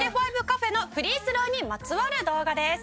ＦＩＶＥカフェのフリースローにまつわる動画です」